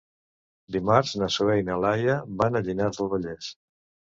Dimarts na Zoè i na Laia van a Llinars del Vallès.